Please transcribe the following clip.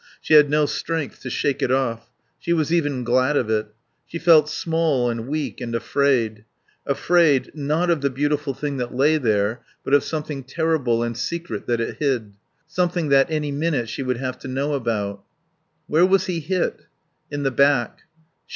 She had no strength to shake it off; she was even glad of it. She felt small and weak and afraid; afraid, not of the beautiful thing that lay there, but of something terrible and secret that it hid, something that any minute she would have to know about. "Where was he hit?" "In the back."